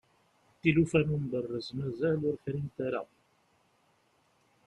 tilufa n umberrez mazal ur frint ara